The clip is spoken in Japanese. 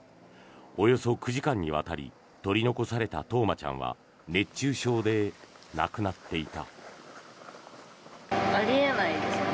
およそ９時間にわたり取り残された冬生ちゃんは熱中症で亡くなっていた。